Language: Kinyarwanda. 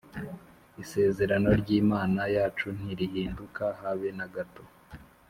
Isezerano ry'Imana yacu, Ntirihinduka habe na gato.